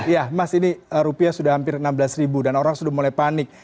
ya mas ini rupiah sudah hampir enam belas ribu dan orang sudah mulai panik